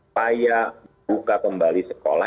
paya buka kembali sekolah